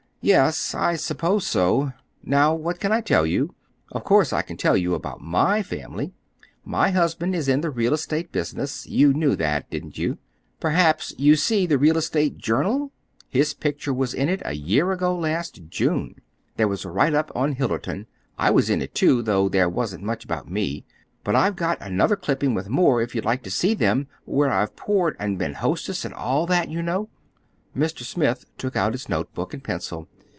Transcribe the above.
"Yes, I suppose so. Now, what can I tell you? Of course I can tell you about my own family. My husband is in the real estate business. You knew that, didn't you? Perhaps you see 'The Real Estate Journal.' His picture was in it a year ago last June. There was a write up on Hillerton. I was in it, too, though there wasn't much about me. But I've got other clippings with more, if you'd like to see them—where I've poured, and been hostess, and all that, you know." Mr. Smith took out his notebook and pencil.